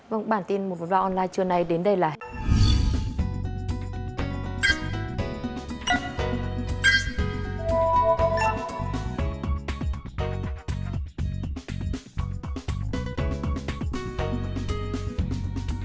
cảm ơn các bạn đã theo dõi và hẹn gặp lại